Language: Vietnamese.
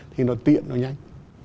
thì nó tiện nó nhanh